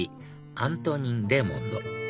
アントニン・レーモンド